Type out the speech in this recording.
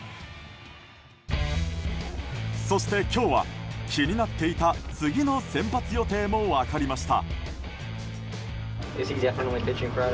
そして、今日は気になっていた次の先発予定も分かりました。